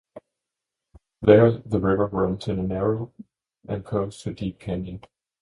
There the river runs in a narrow, and close to deep canyon.